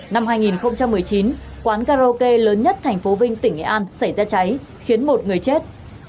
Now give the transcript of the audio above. năm hai nghìn một mươi chín quán karaoke lớn nhất thành phố vinh tỉnh nghệ an xảy ra cháy khiến một người chết